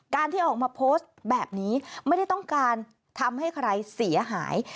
ที่ออกมาโพสต์แบบนี้ไม่ได้ต้องการทำให้ใครเสียหาย